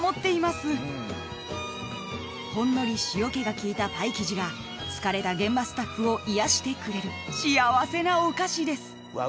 ［ほんのり塩気が効いたパイ生地が疲れた現場スタッフを癒やしてくれる幸せなお菓子です］